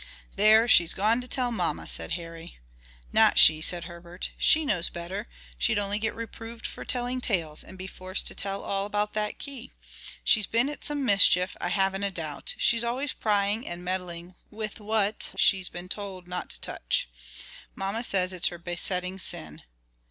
"There, she's gone to tell mamma," said Harry. "Not she," said Herbert, "she knows better; she'd only get reproved for telling tales, and be forced to tell all about that key. She's been at some mischief, I haven't a doubt: she's always prying, and meddling with what she's been told not to touch. Mamma says that's her besetting sin."